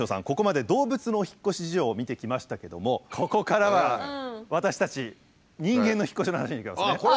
ここまで動物のお引っ越し事情を見てきましたけどもここからは私たち人間の引っ越しの話にいきますね。